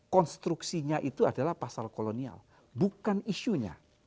konstruksinya itu adalah pasal kolonial bukan isunya